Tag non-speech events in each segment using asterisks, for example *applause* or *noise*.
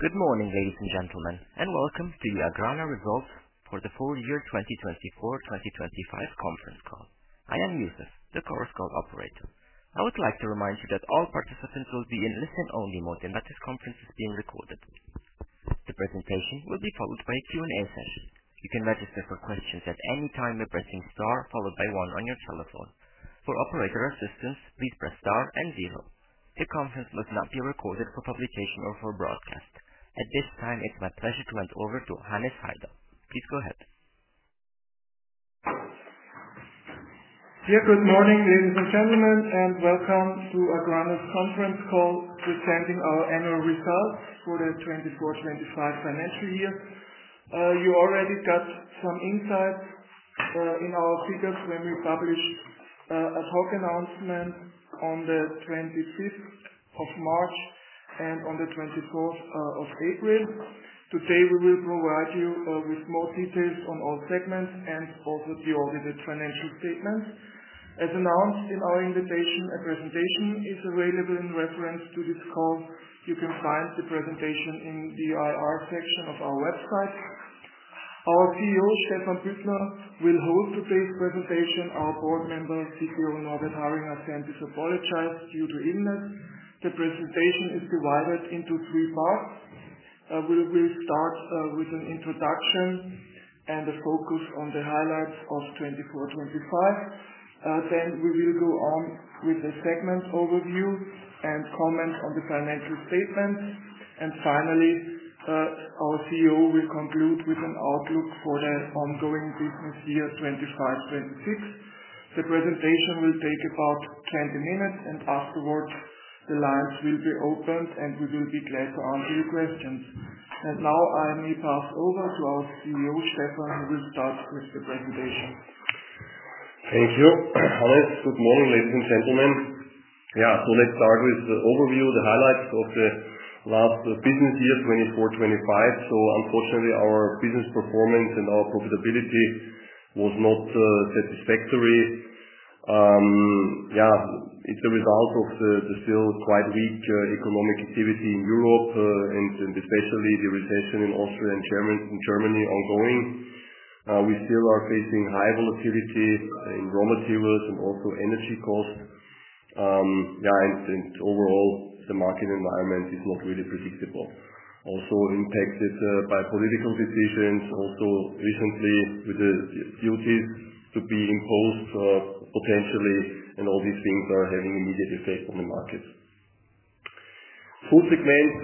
Good morning, ladies and gentlemen, and welcome to the AGRANA Results for the full year 2024-2025 conference call. I am Yusuf, the conference call operator. I would like to remind you that all participants will be in listen-only mode, and that this conference is being recorded. The presentation will be followed by a Q&A session. You can register for questions at any time by pressing star followed by one on your telephone. For operator assistance, please press star and zero. The conference must not be recorded for publication or for broadcast. At this time, it's my pleasure to hand over to Hannes Haider. Please go ahead. Yeah, good morning, ladies and gentlemen, and welcome to AGRANA's conference call presenting our annual results for the 2024-2025 financial year. You already got some insights in our figures when we published a talk announcement on the 25th of March and on the 24th of April. Today, we will provide you with more details on all segments and also the audited financial statements. As announced in our invitation, a presentation is available in reference to this call. You can find the presentation in the IR section of our website. Our CEO, Stephan Büttner, will host today's presentation. Our board member, CTO Norbert Harringer, can apologize due to illness. The presentation is divided into three parts. We will start with an introduction and a focus on the highlights of 2024-2025. Then we will go on with the segment overview and comment on the financial statements. Finally, our CEO will conclude with an outlook for the ongoing business year 2025-2026. The presentation will take about 20 minutes, and afterwards, the lines will be opened, and we will be glad to answer your questions. Now, I may pass over to our CEO, Stephan, who will start with the presentation. Thank you. Hannes, good morning, ladies and gentlemen. Yeah, let's start with the overview, the highlights of the last business year 2024-2025. Unfortunately, our business performance and our profitability was not satisfactory. Yeah, it's a result of the still quite weak economic activity in Europe, and especially the recession in Austria and Germany ongoing. We still are facing high volatility in raw materials and also energy costs. Yeah, and overall, the market environment is not really predictable. Also impacted by political decisions, also recently with the duties to be imposed, potentially, and all these things are having immediate effect on the market. Food segment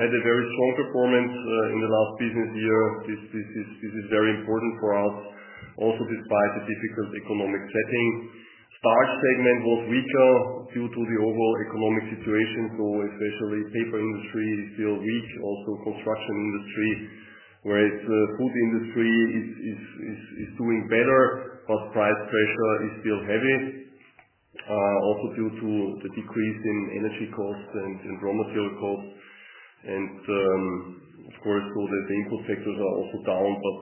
had a very strong performance in the last business year. This is very important for us, also despite the difficult economic setting. Starch segment was weaker due to the overall economic situation, especially as the paper industry is still weak, also the construction industry, whereas the food industry is doing better, but price pressure is still heavy, also due to the decrease in energy costs and raw material costs. Of course, the input sectors are also down, but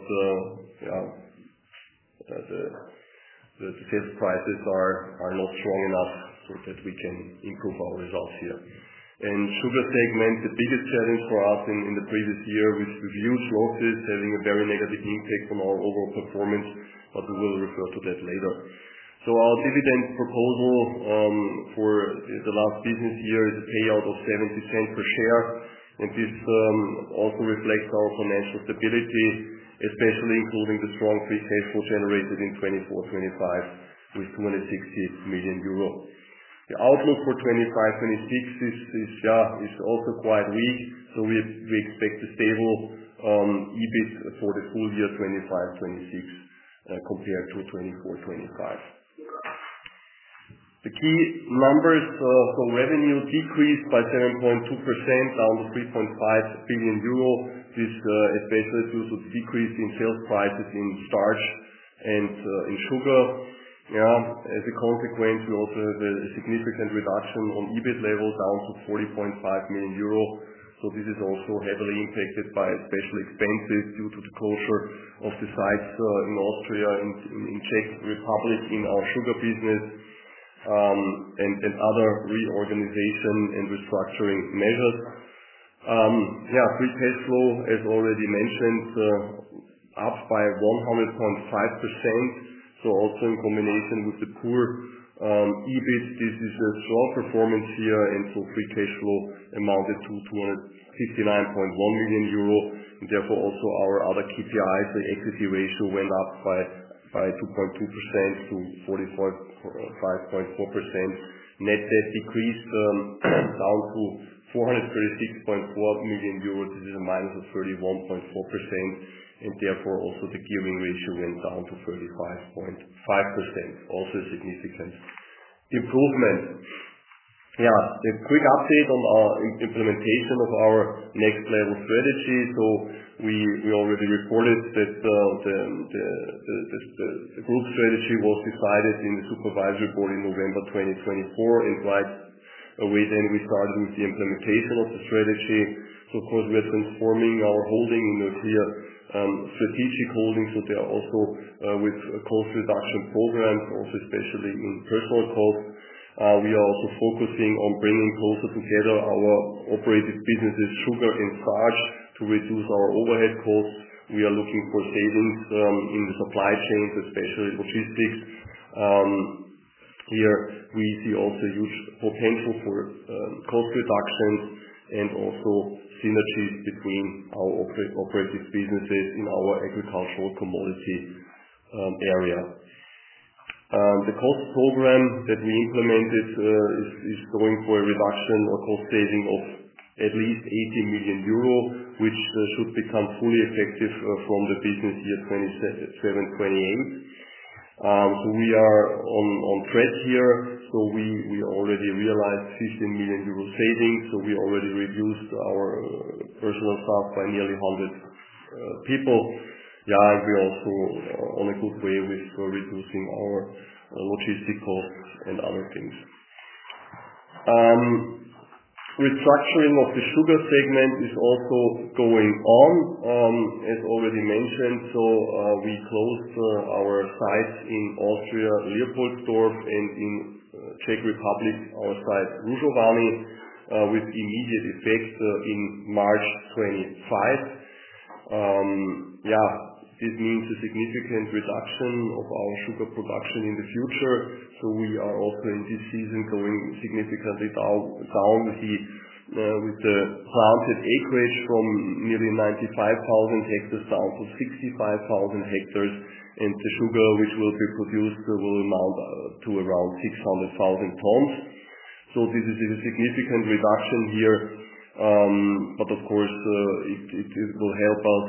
the sales prices are not strong enough so that we can improve our results here. The sugar segment, the biggest challenge for us in the previous year, with reviews losses having a very negative impact on our overall performance, but we will refer to that later. Our dividend proposal for the last business year is a payout of 0.70 per share, and this also reflects our financial stability, especially including the strong free cash flow generated in 2024-2025 with 260 million euro. The outlook for 2025-2026 is, is, yeah, is also quite weak, so we expect a stable EBIT for the full year 2025-2026 compared to 2024-2025. The key numbers for revenue decreased by 7.2%, down to 3.5 billion euro. This is especially due to the decrease in sales prices in starch and in sugar. Yeah, as a consequence, we also have a significant reduction on EBIT level down to 40.5 million euro. This is also heavily impacted by special expenses due to the closure of the sites in Austria, in the Czech Republic in our sugar business, and other reorganization and restructuring measures. Yeah, free cash flow, as already mentioned, up by 100.5%. Also in combination with the poor EBIT, this is a strong performance here, and free cash flow amounted to 259.1 million euro. Therefore, also our other KPIs, the equity ratio went up by 2.2% to 45.4%. Net debt decreased, down to 436.4 million euros. This is a minus of 31.4%, and therefore also the gearing ratio went down to 35.5%. Also a significant improvement. Yeah, a quick update on our implementation of our next level strategy. We already recorded that the group strategy was decided in the supervisory board in November 2024, and right away then we started with the implementation of the strategy. Of course, we are transforming our holding into a clear, strategic holding, so there are also, with cost reduction programs, also especially in personnel costs. We are also focusing on bringing closer together our operated businesses, sugar and starch, to reduce our overhead costs. We are looking for savings in the supply chains, especially logistics. Here we see also huge potential for cost reductions and also synergies between our operative businesses in our agricultural commodity area. The cost program that we implemented is going for a reduction or cost saving of at least 80 million euro, which should become fully effective from the business year 2027-2028. We are on track here. We already realized 15 million euro savings. We already reduced our personnel staff by nearly 100 people. Yeah, and we are also on a good way with reducing our logistic costs and other things. Restructuring of the sugar segment is also going on, as already mentioned. We closed our sites in Austria, Leopoldsdorf, and in Czech Republic, our site Hrušovany, with immediate effect in March 2025. This means a significant reduction of our sugar production in the future. We are also in this season going significantly down with the planted acreage from nearly 95,000 hectares down to 65,000 hectares, and the sugar which will be produced will amount to around 600,000 tons. This is a significant reduction here, but of course, it will help us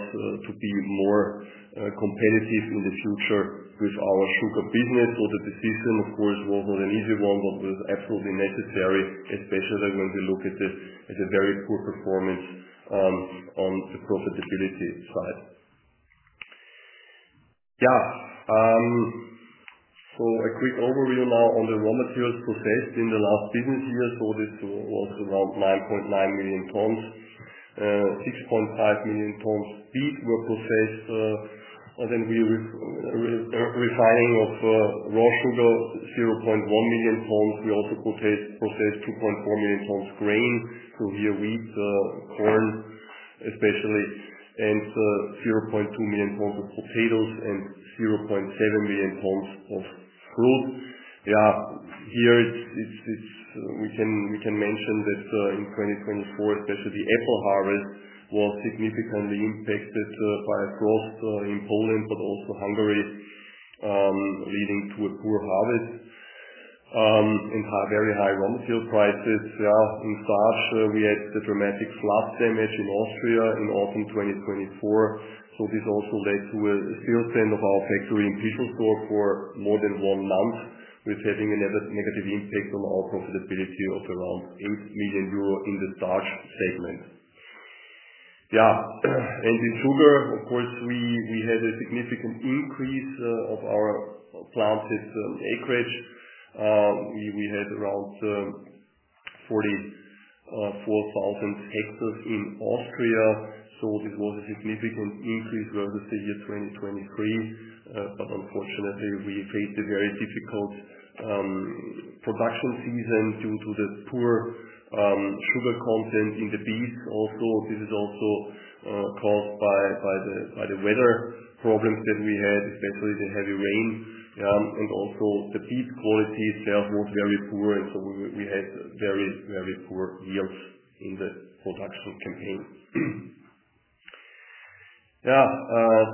to be more competitive in the future with our sugar business. The decision, of course, was not an easy one, but was absolutely necessary, especially when we look at the very poor performance on the profitability side. A quick overview now on the raw materials processed in the last business year. This was around 9.9 million tons. 6.5 million tons wheat were processed, and then we re-refining of raw sugar, 0.1 million tons. We also processed 2.4 million tons grain, so here wheat, corn especially, and 0.2 million tons of potatoes and 0.7 million tons of fruit. Yeah, here it's, we can mention that, in 2024, especially the apple harvest was significantly impacted by a frost in Poland, but also Hungary, leading to a poor harvest and very high raw material prices. In starch, we had the dramatic flood damage in Austria in autumn 2024. This also led to a still stand of our factory in Pischelsdorf for more than one month, with having a negative impact on our profitability of around 8 million euro in the starch segment. Yeah, and in sugar, of course, we had a significant increase of our planted acreage. We had around 44,000 hectares in Austria. This was a significant increase versus the year 2023, but unfortunately, we faced a very difficult production season due to the poor sugar content in the beets. Also, this is also caused by the weather problems that we had, especially the heavy rain. Yeah, and also the beet quality itself was very poor, and so we had very, very poor yields in the production campaign. Yeah,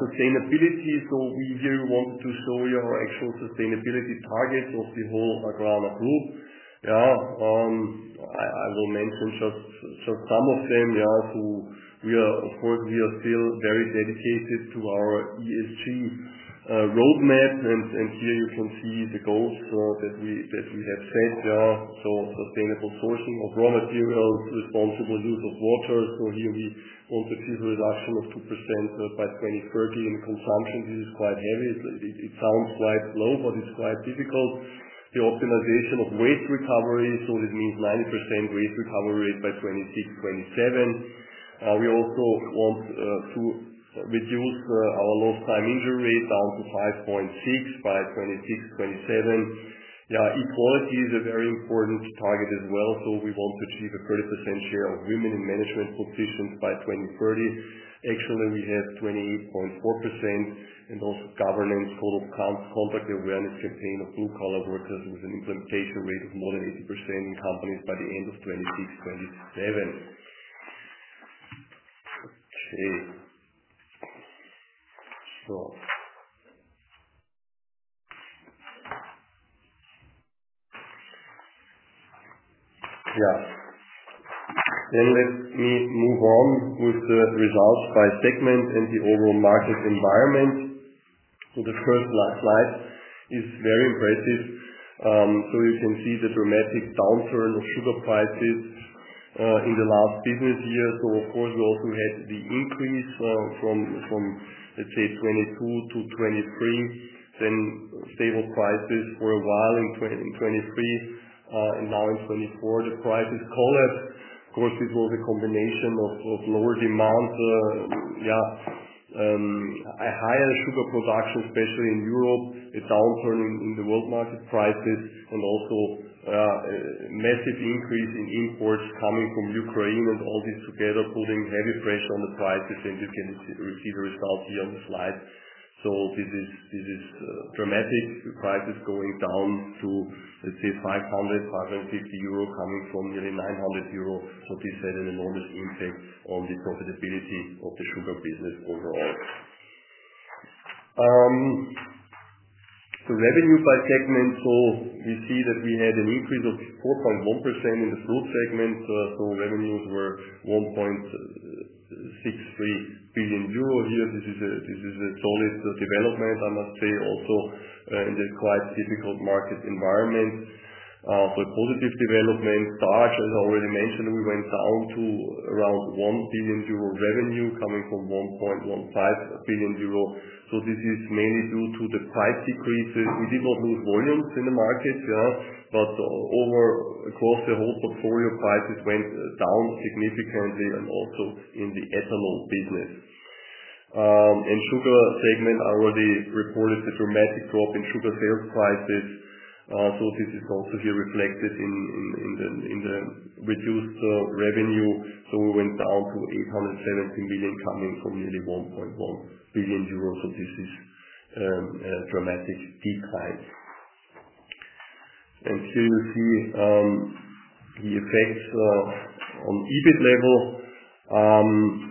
sustainability. We really wanted to show you our actual sustainability targets of the whole AGRANA group. I will mention just some of them. Yeah, so we are, of course, we are still very dedicated to our ESG roadmap, and here you can see the goals that we have set. Yeah, so sustainable sourcing of raw materials, responsible use of water. Here we want to achieve a reduction of 2% by 2030 in consumption. This is quite heavy. It sounds quite low, but it's quite difficult. The optimization of waste recovery. This means 90% waste recovery rate by 2026-2027. We also want to reduce our lost time injury rate down to 5.6 by 2026-2027. Yeah, equality is a very important target as well. We want to achieve a 30% share of women in management positions by 2030. Actually, we have 28.4%, and also governance, code of conduct awareness campaign of blue-collar workers with an implementation rate of more than 80% in companies by the end of 2026-2027. Okay, yeah, let me move on with the results by segment and the overall market environment. The first slide is very impressive. You can see the dramatic downturn of sugar prices in the last business year. Of course, we also had the increase from, let's say, 2022 to 2023, then stable prices for a while in 2023, and now in 2024, the prices collapsed. This was a combination of lower demand, a higher sugar production, especially in Europe, a downturn in the world market prices, and also a massive increase in imports coming from Ukraine, and all this together putting heavy pressure on the prices. You can see, receive the results here on the slide. This is dramatic. The prices going down to, let's say, 500-550 euro coming from nearly 900 euro. This had an enormous impact on the profitability of the sugar business overall. Revenue by segment, we see that we had an increase of 4.1% in the fruit segment. Revenues were 1.63 billion euro here. This is a solid development, I must say, also in the quite difficult market environment. A positive development. Starch, as I already mentioned, we went down to around 1 billion euro revenue coming from 1.15 billion euro. This is mainly due to the price decreases. We did not lose volumes in the market, yeah, but over across the whole portfolio, prices went down significantly, and also in the ethanol business. the sugar segment, I already reported the dramatic drop in sugar sales prices. This is also here reflected in the reduced revenue. We went down to 870 million coming from nearly 1.1 billion euros. This is a dramatic decline. Here you see the effects on EBIT level.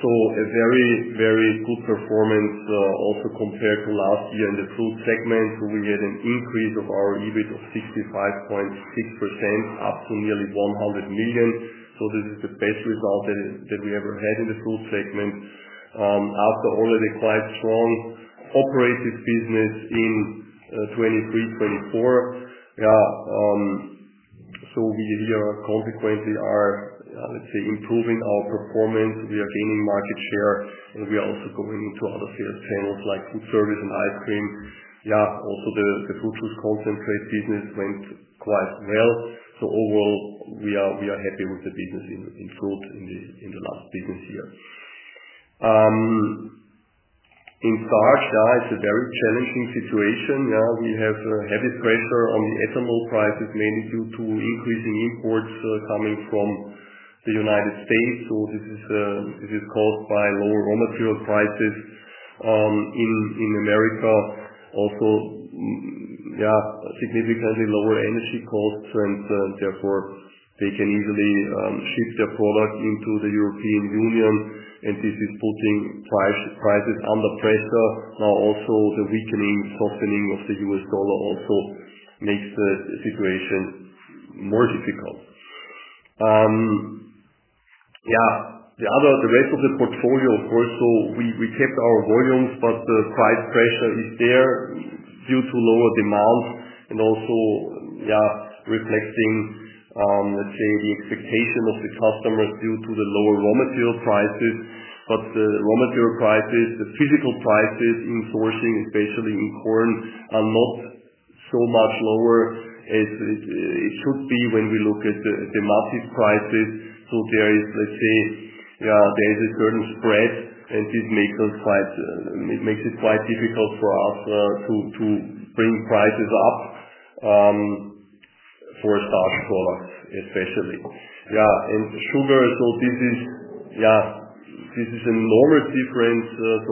A very, very good performance also compared to last year in the fruit segment. We had an increase of our EBIT of 65.6% up to nearly 100 million. This is the best result that we ever had in the fruit segment after already quite strong operated business in 2023-2024. We here are consequently, let's say, improving our performance. We are gaining market share, and we are also going into other sales channels like food service and ice cream. Yeah, also the fruit juice concentrate business went quite well. Overall, we are happy with the business in fruit in the last business year. In starch, yeah, it's a very challenging situation. We have heavy pressure on the ethanol prices, mainly due to increasing imports coming from the United States. This is caused by lower raw material prices in America. Also, significantly lower energy costs, and therefore they can easily ship their product into the European Union, and this is putting prices under pressure. Now, also the weakening, softening of the U.S. dollar also makes the situation more difficult. Yeah, the rest of the portfolio, of course. We kept our volumes, but the price pressure is there due to lower demand and also, yeah, reflecting, let's say, the expectation of the customers due to the lower raw material prices. The raw material prices, the physical prices in sourcing, especially in corn, are not so much lower as it should be when we look at the massive prices. There is, let's say, yeah, there is a certain spread, and this makes it quite difficult for us to bring prices up for starch products, especially. Yeah, and sugar. This is, yeah, this is a normal difference.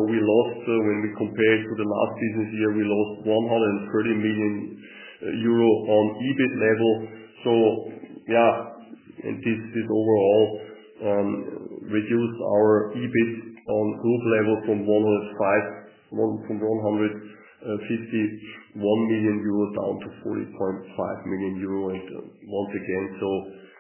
We lost, when we compared to the last business year, 130 million euro on EBIT level. Yeah, and this overall reduced our EBIT on group level from 151 million euro down to 40.5 million euro. Once again,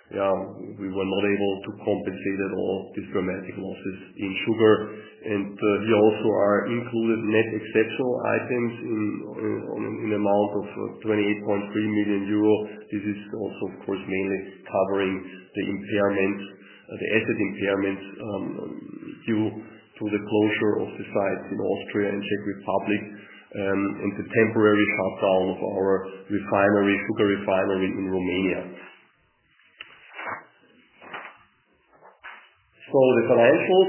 we were not able to compensate at all these dramatic losses in sugar. Here also are included net exceptional items in an amount of 28.3 million euro. This is also, of course, mainly covering the impairments, the asset impairments, due to the closure of the sites in Austria and Czech Republic, and the temporary shutdown of our sugar refinery in Romania. The financials,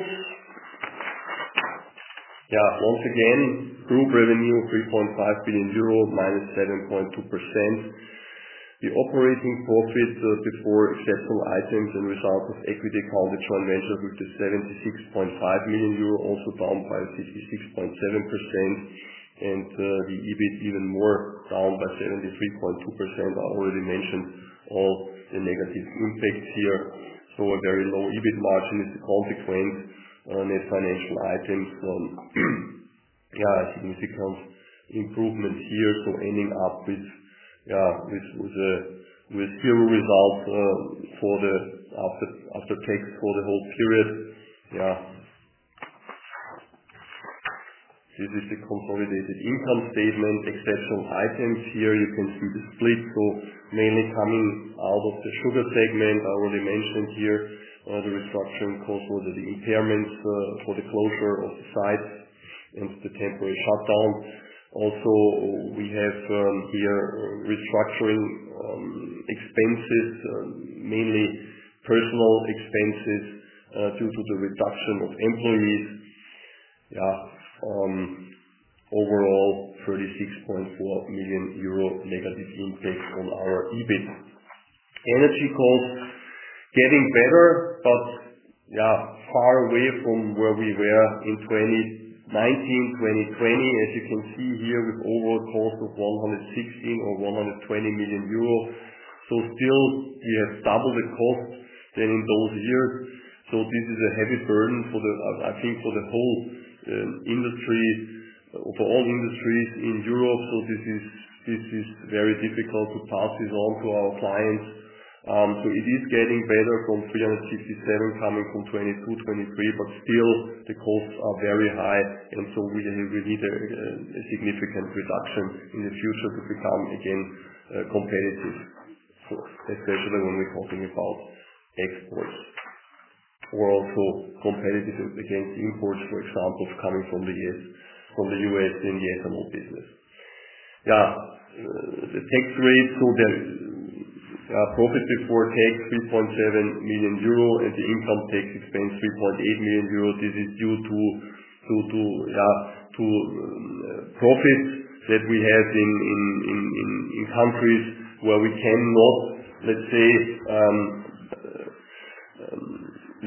once again, group revenue of 3.5 billion euro, -7.2%. The operating profit before exceptional items and result of equity accounted joint ventures was 76.5 million euro, also down by 66.7%, and the EBIT even more down by 73.2%. I already mentioned all the negative impacts here. A very low EBIT margin is the consequence, net financial items. Yeah, significant improvement here. Ending up with zero results for the after tax for the whole period. This is the consolidated income statement. Exceptional items here. You can see the split. Mainly coming out of the sugar segment. I already mentioned here, the restructuring cost was the impairments for the closure of the sites and the temporary shutdown. Also, we have here restructuring expenses, mainly personnel expenses, due to the reduction of employees. Overall, 36.4 million euro negative impact on our EBIT. Energy costs getting better, but yeah, far away from where we were in 2019, 2020. As you can see here, with overall cost of 116 million or 120 million euro. Still, we have double the cost than in those years. This is a heavy burden for the, I think, for the whole industry, for all industries in Europe. This is very difficult to pass this on to our clients. It is getting better from 367 coming from 2022-2023, but still, the costs are very high, and we need a significant reduction in the future to become again competitive, especially when we're talking about exports or also competitive against imports, for example, coming from the U.S., from the U.S. in the ethanol business. Yeah, the tax rate. The profit before tax 3.7 million euro and the income tax expense 3.8 million euro. This is due to profits that we have in countries where we cannot, let's say,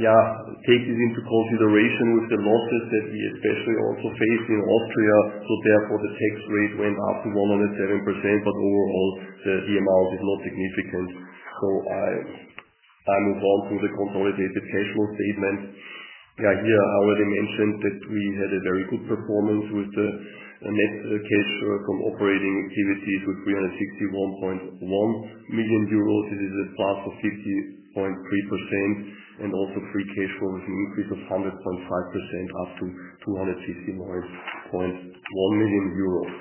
take this into consideration with the losses that we especially also faced in Austria. Therefore, the tax rate went up to 107%, but overall, the amount is not significant. I move on to the consolidated cash flow statement. Here, I already mentioned that we had a very good performance with the net cash from operating activities with 361.1 million euros. This is a plus of 50.3% and also free cash flow with an increase of 100.5% up to 259.1 million euros.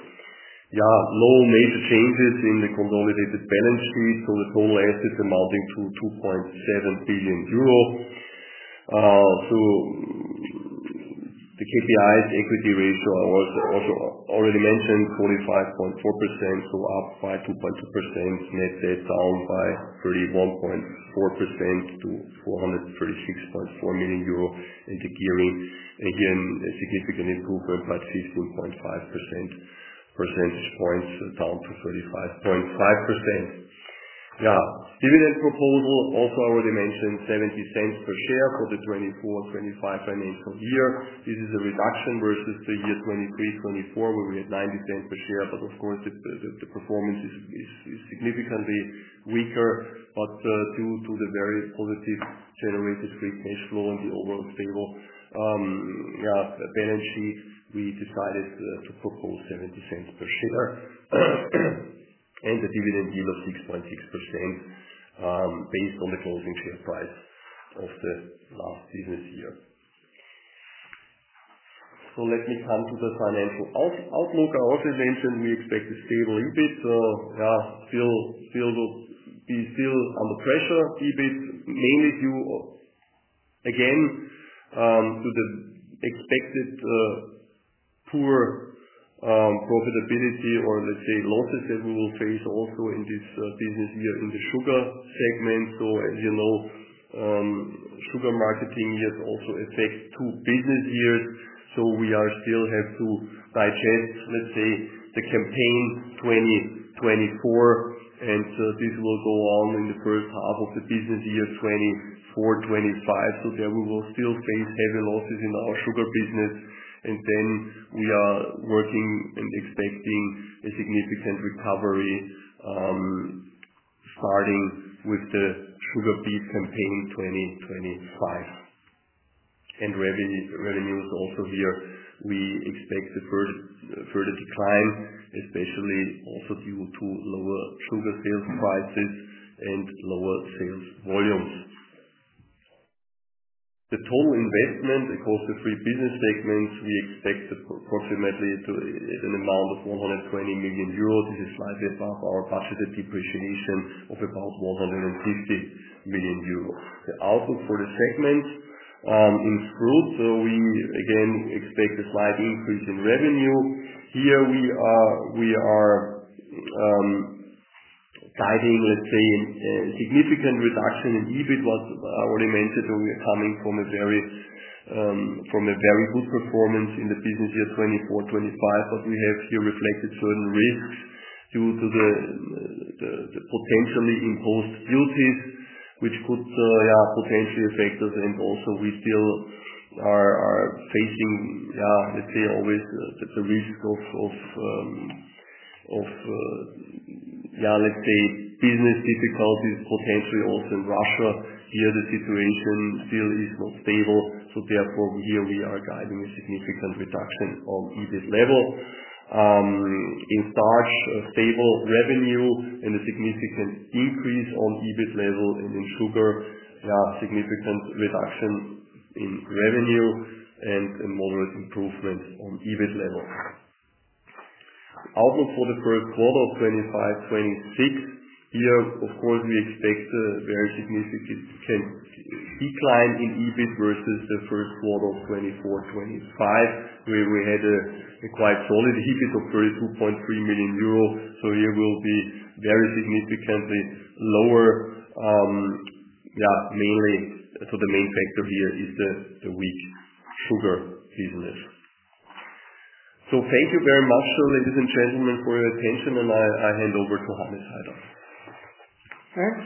No major changes in the consolidated balance sheet. The total assets amounting to 2.7 billion euro. The KPIs, equity ratio, I also already mentioned 45.4%. Up by 2.2%, net debt down by 31.4% to 436.4 million euro and the gearing again, a significant improvement by 15.5 percentage points down to 35.5%. Dividend proposal also already mentioned 0.70 per share for the 2024-2025 financial year. This is a reduction versus the year 2023-2024, where we had 0.90 per share. Of course, the performance is significantly weaker, but due to the very positive generated free cash flow and the overall stable balance sheet, we decided to propose 0.70 per share and a dividend yield of 6.6%, based on the closing share price of the last business year. Let me come to the financial outlook. I also mentioned we expect a stable EBIT. Yeah, still will be still under pressure. EBIT mainly due again to the expected poor profitability or, let's say, losses that we will face also in this business year in the sugar segment. As you know, sugar marketing years also affect two business years. We still have to digest, let's say, the campaign 2024, and this will go on in the first half of the business year 2024-2025. There we will still face heavy losses in our sugar business, and we are working and expecting a significant recovery, starting with the sugar beet campaign 2025. Revenue, revenues also here. We expect a further decline, especially due to lower sugar sales prices and lower sales volumes. The total investment across the three business segments, we expect approximately to an amount of 120 million euros. This is slightly above our budgeted depreciation of about 150 million euros. The outlook for the segments, in fruit, we again expect a slight increase in revenue. Here we are, citing, let's say, a significant reduction in EBIT, what I already mentioned, coming from a very, from a very good performance in the business year 2024-2025. We have here reflected certain risks due to the potentially imposed duties, which could, yeah, potentially affect us. Also, we still are facing, yeah, let's say, always the risk of, yeah, let's say, business difficulties, potentially also in Russia. Here, the situation still is not stable. Therefore, here we are guiding a significant reduction on EBIT level. In starch, stable revenue and a significant increase on EBIT level, and in sugar, yeah, significant reduction in revenue and a moderate improvement on EBIT level. Outlook for the first quarter of 2025-2026. Here, of course, we expect a very significant decline in EBIT versus the first quarter of 2024-2025, where we had a quite solid EBIT of 32.3 million euro. Here will be very significantly lower, mainly. The main factor here is the weak sugar business. Thank you very much, ladies and gentlemen, for your attention, and I hand over to Hannes Haider. Thanks.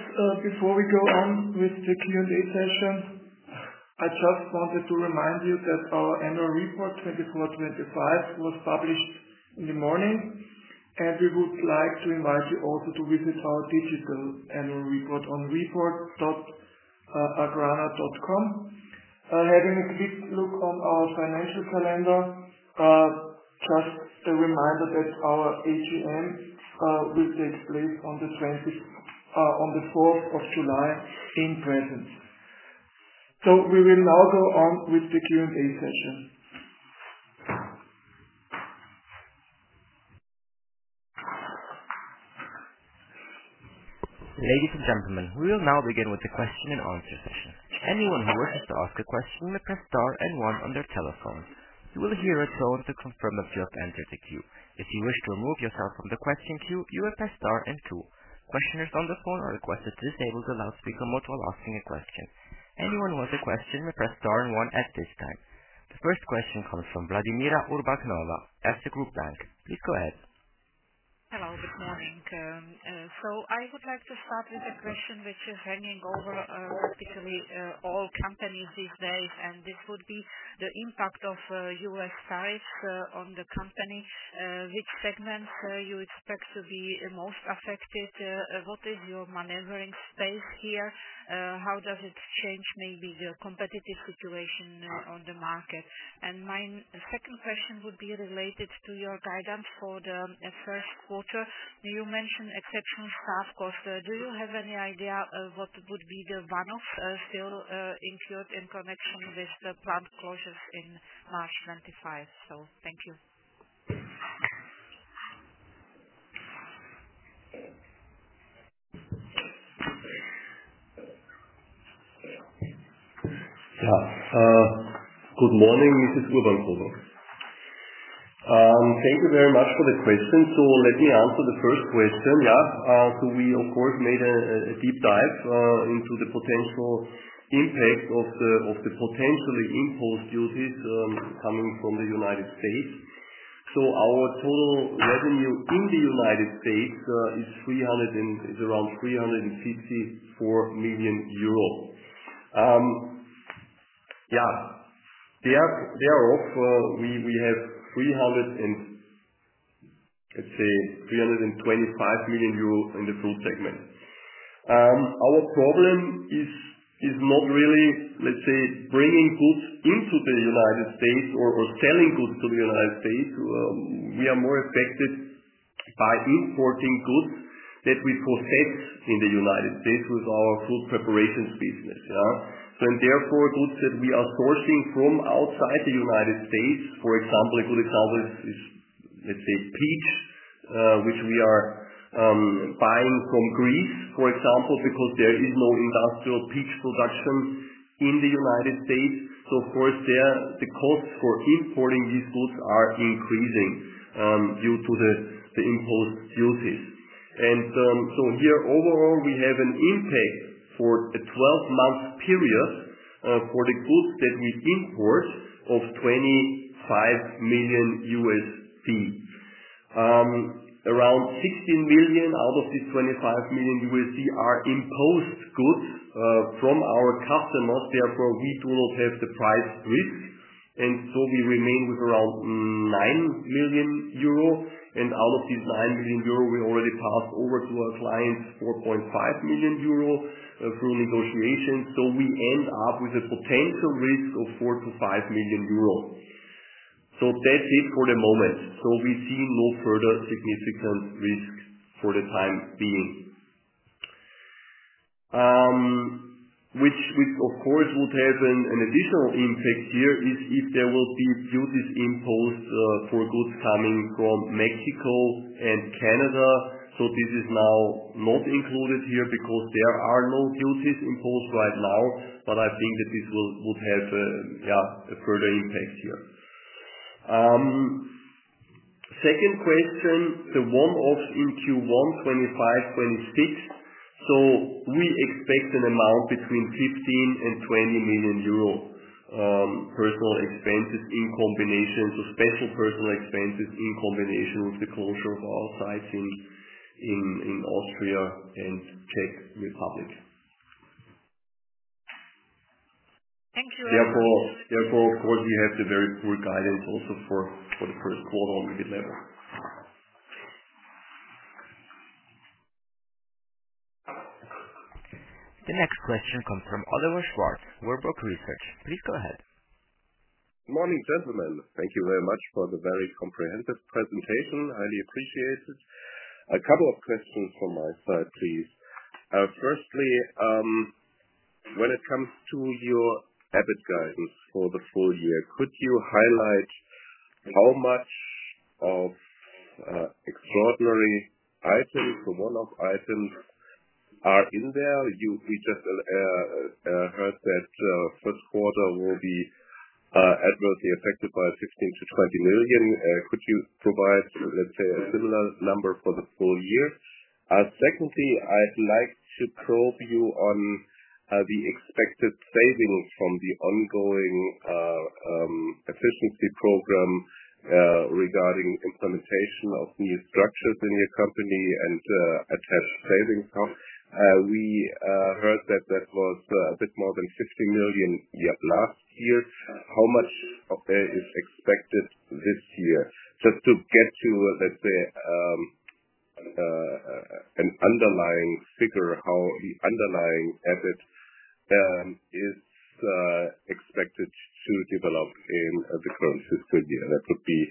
Before we go on with the Q&A session, I just wanted to remind you that our annual report 2024-2025 was published in the morning, and we would like to invite you also to visit our digital annual report on report.agrana.com. Having a quick look on our financial calendar, just a reminder that our AGM will take place on the 20th, on the 4th of July in presence. We will now go on with the Q&A session. Ladies and gentlemen, we will now begin with the question and answer session. Anyone who wishes to ask a question may press star and one on their telephone. You will hear a tone to confirm if you have entered the queue. If you wish to remove yourself from the question queue, you may press star and two. Questioners on the phone are requested to disable the loudspeaker mode while asking a question. Anyone who has a question may press star and one at this time. The first question comes from Vladimira Urbankova at Erste Group Bank. Please go ahead. Hello, good morning. So I would like to start with a question which is hanging over, practically, all companies these days, and this would be the impact of U.S. tariffs on the company. Which segments do you expect to be most affected? What is your maneuvering space here? How does it change maybe the competitive situation on the market? My second question would be related to your guidance for the first quarter. You mentioned exceptional staff costs. Do you have any idea what would be the one-offs still incurred in connection with the plant closures in March 2025? Thank you. Yeah, good morning, Mrs. Urbankova. Thank you very much for the question. Let me answer the first question. Yeah, we, of course, made a deep dive into the potential impact of the potentially imposed duties coming from the U.S. Our total revenue in the U.S. is around 354 million euro. Yeah, thereof, we have, let's say, 325 million in the fruit segment. Our problem is not really, let's say, bringing goods into the U.S. or selling goods to the U.S. We are more affected by importing goods that we possess in the U.S. with our food preparations business, yeah? Therefore, goods that we are sourcing from outside the U.S., for example, a good example is, let's say, peach, which we are buying from Greece, for example, because there is no industrial peach production in the U.S. Of course, the costs for importing these goods are increasing due to the imposed duties. Here overall, we have an impact for a 12-month period for the goods that we import of $25 million. Around $16 million out of these $25 million are imposed goods from our customers. Therefore, we do not have the price risk, and we remain with around 9 million euro. Out of these 9 million euro, we already passed over to our clients 4.5 million euro through negotiations. We end up with a potential risk of 4 million-5 million euro. That is it for the moment. We see no further significant risk for the time being. What, of course, would have an additional impact here is if there will be duties imposed for goods coming from Mexico and Canada. This is not included here because there are no duties imposed right now, but I think that this would have a further impact here. Second question, the one-offs in Q1 2025-2026. We expect an amount between 15 million and 20 million euro, personnel expenses in combination, so special personnel expenses in combination with the closure of our sites in Austria and Czech Republic. Thank you. Therefore, of course, we have the very poor guidance also for the first quarter on EBIT level. The next question comes from Oliver Schwarz, Warburg Research. Please go ahead. Morning, gentlemen. Thank you very much for the very comprehensive presentation. I really appreciate it. A couple of questions from my side, please. Firstly, when it comes to your EBIT guidance for the full year, could you highlight how much of extraordinary items, the one-off items are in there? You, we just heard that first quarter will be adversely affected by 15 million-20 million. Could you provide, let's say, a similar number for the full year? Secondly, I'd like to probe you on the expected savings from the ongoing efficiency program regarding implementation of new structures in your company and attached savings. How, we heard that that was a bit more than 50 million last year. How much is expected this year? Just to get to, let's say, an underlying figure, how the underlying EBIT is expected to develop in the current fiscal year. That would be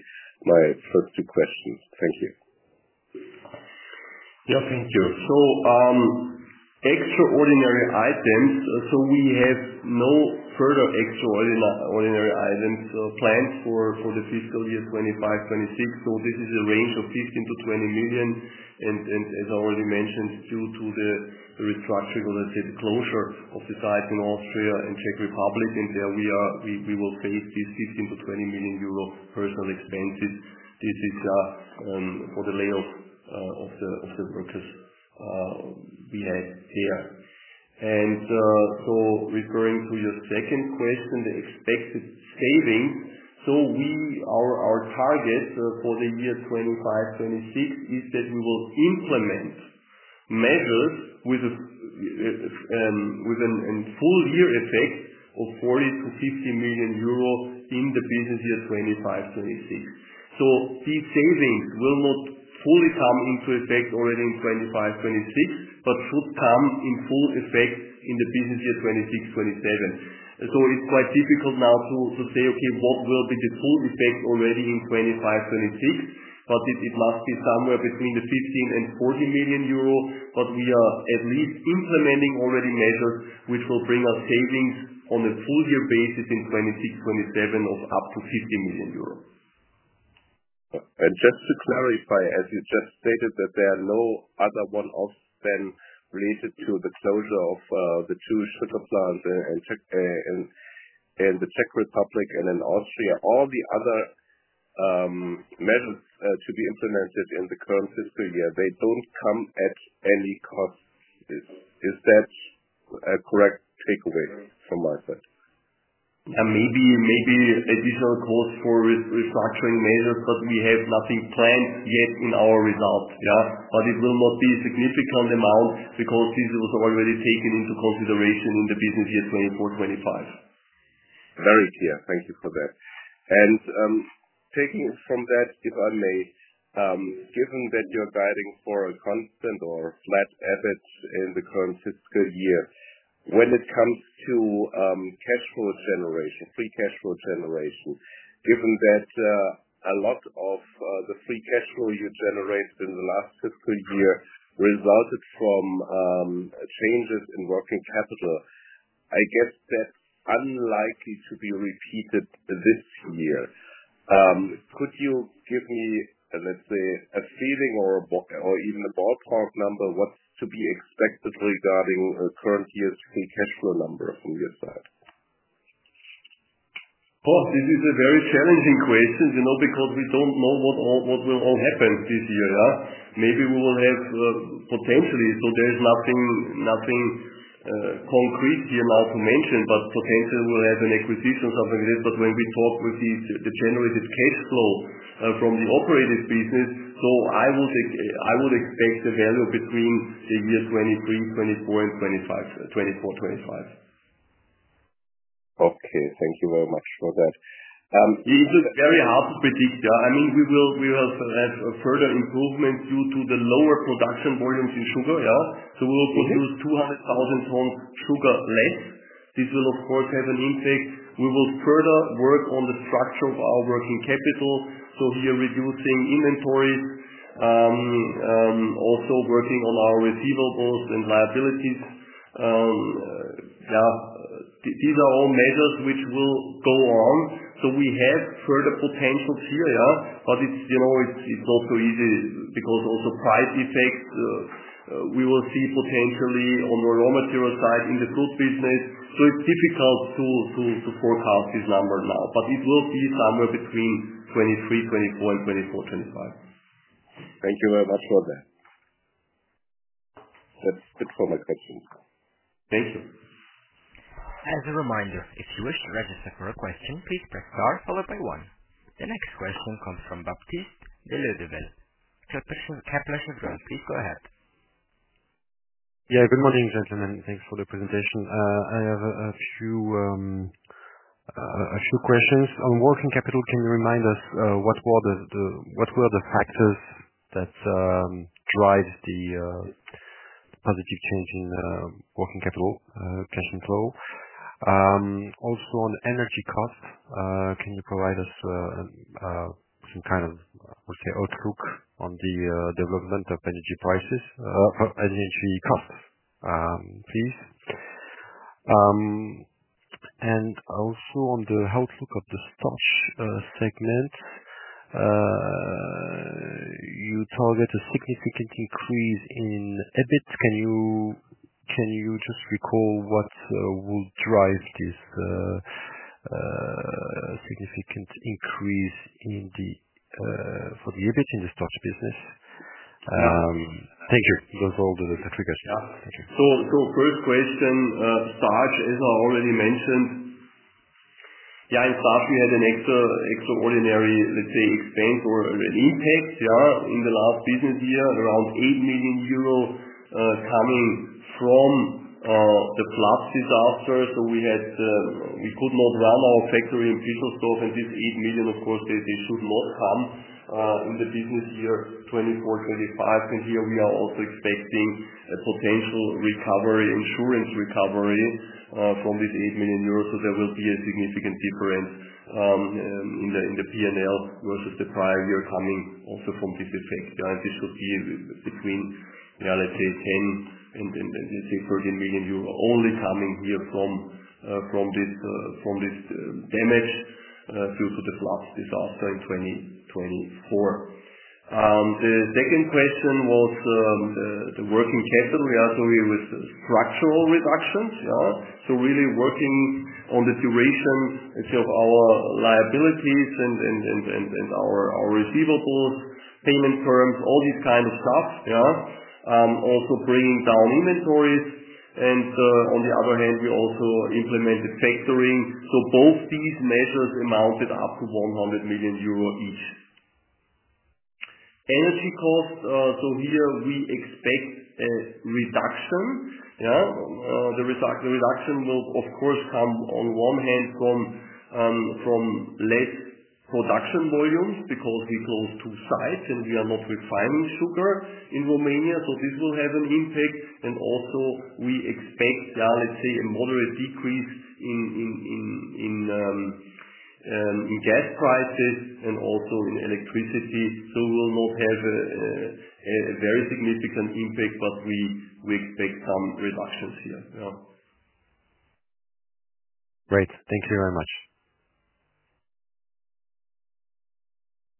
my first two questions. Thank you. Yeah, thank you. Extraordinary items. We have no further extraordinary items planned for the fiscal year 2025-2026. This is a range of 15 million-20 million. As I already mentioned, due to the restructuring, as I said, the closure of the sites in Austria and Czech Republic, we will face these 15 million-20 million euro personnel expenses. This is for the layoff of the workers we had here. Referring to your second question, the expected savings, our target for the year 2025-2026 is that we will implement measures with a full year effect of 40 million-50 million euro in the business year 2025-2026. These savings will not fully come into effect already in 2025-2026, but should come in full effect in the business year 2026-2027. It is quite difficult now to say, okay, what will be the full effect already in 2025-2026? It must be somewhere between 15 million and 40 million euro. We are at least implementing already measures which will bring us savings on a full year basis in 2026-2027 of up to 50 million euros. Just to clarify, as you just stated, there are no other one-offs then related to the closure of the two sugar plants in the Czech Republic and in Austria. All the other measures to be implemented in the current fiscal year, they do not come at any cost. Is that a correct takeaway from my side? Yeah, maybe additional costs for restructuring measures, but we have nothing planned yet in our results, yeah? It will not be a significant amount because this was already taken into consideration in the business year 2024-2025. Very clear. Thank you for that. Taking from that, if I may, given that you're guiding for a constant or flat EBIT in the current fiscal year, when it comes to cash flow generation, free cash flow generation, given that a lot of the free cash flow you generated in the last fiscal year resulted from changes in working capital, I guess that's unlikely to be repeated this year. Could you give me, let's say, a feeling or even a ballpark number, what's to be expected regarding a current year's free cash flow number from your side? Of course, this is a very challenging question, you know, because we don't know what all, what will all happen this year, yeah? Maybe we will have, potentially, so there's nothing concrete here now to mention, but potentially we'll have an acquisition, something like this. When we talk with the generated cash flow from the operated business, I would expect a value between the year 2023-2024 and 2024-2025. Okay. Thank you very much for that. It is very hard to predict, yeah? I mean, we will have further improvements due to the lower production volumes in sugar, yeah? We will produce 200,000 tons sugar less. This will, of course, have an impact. We will further work on the structure of our working capital, so here reducing inventories, also working on our receivables and liabilities. Yeah, these are all measures which will go on. We have further potentials here, yeah? It is not so easy because also price effects, we will see potentially on the raw material side in the food business. It's difficult to forecast this number now, but it will be somewhere between 2023-2024 and 2024-2025. Thank you very much for that. That's it for my questions. Thank you. As a reminder, if you wish to register for a question, please press star followed by one. The next question comes from Baptiste de Leudeville. *audio distortion* Kepler, *audio distortion* please go ahead. Yeah, good morning, gentlemen. Thanks for the presentation. I have a few questions. On working capital, can you remind us what were the factors that drive the positive change in working capital cash inflow? Also, on energy costs, can you provide us some kind of, I would say, outlook on the development of energy prices for energy costs, please? Also, on the outlook of the starch segment, you target a significant increase in EBIT. Can you just recall what will drive this significant increase in the, for the EBIT in the starch business? Thank you. Those are all the three questions. Yeah? Thank you. So, first question, starch, as I already mentioned, yeah, in starch we had an extraordinary, let's say, expense or an impact, yeah, in the last business year, around 8 million euro, coming from the floods disaster. We could not run our factory in Pischelsdorf, and this 8 million, of course, should not come in the business year 2024-2025. Here we are also expecting a potential recovery, insurance recovery, from this 8 million euros. There will be a significant difference in the P&L versus the prior year coming also from this effect, yeah? This would be between, yeah, let's say, 10 million-13 million euro only coming here from this damage due to the floods disaster in 2024. The second question was the working capital, yeah? Here with structural reductions, yeah? Really working on the durations, let's say, of our liabilities and our receivables, payment terms, all these kind of stuff, yeah? Also bringing down inventories. On the other hand, we also implemented factoring. Both these measures amounted up to 100 million euro each. Energy costs, here we expect a reduction, yeah? The reduction will, of course, come on one hand from less production volumes because we close two sites and we are not refining sugar in Romania. This will have an impact. We expect, yeah, let's say, a moderate decrease in gas prices and also in electricity. We will not have a very significant impact, but we expect some reductions here, yeah? Great. Thank you very much.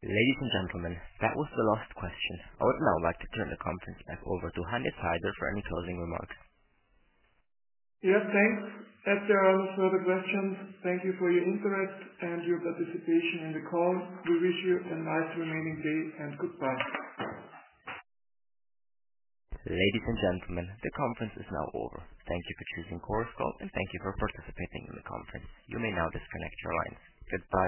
Ladies and gentlemen, that was the last question. I would now like to turn the conference back over to Hannes Haider for any closing remarks. Yeah, thanks. If there are no further questions, thank you for your interest and your participation in the call. We wish you a nice remaining day and goodbye. Ladies and gentlemen, the conference is now over. Thank you for choosing Coruscal and thank you for participating in the conference. You may now disconnect your lines. Goodbye.